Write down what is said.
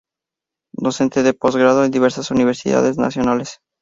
Docente de postgrado en diversas universidades nacionales.